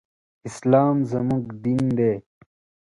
اسلام زموږ دين دی.